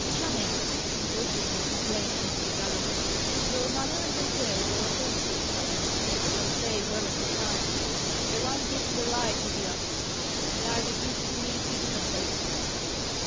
"Channing!" impulsively exclaimed Mr. Galloway, "your manner and your words are opposed to each other, as they were at the time. The one gives the lie to the other. But I begin to believe you did not take it."